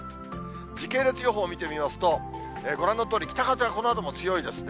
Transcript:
時系列予報見てみますと、ご覧のとおり北風はこのあとも強いですね。